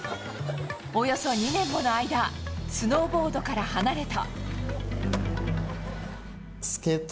およそ２年もの間スノーボードから離れた。